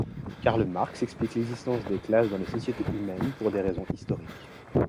Karl Marx explique l’existence des classes dans les sociétés humaines par des raisons historiques.